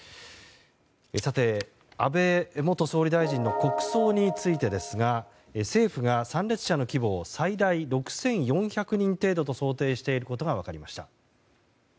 さて、安倍元総理大臣の国葬についてですが政府が参列者の規模を最大６４００人程度と想定していることが分かりました。